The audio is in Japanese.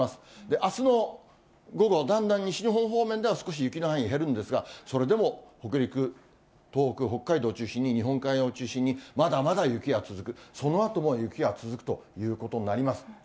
あすの午後、だんだん西日本方面では少し雪の範囲が減るんですが、それでも北陸、東北、北海道を中心に、日本海側を中心に、まだまだ雪が続く、そのあとも雪が続くということになります。